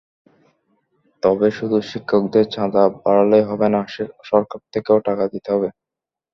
তবে শুধু শিক্ষকদের চাঁদা বাড়ালেই হবে না, সরকার থেকেও টাকা দিতে হবে।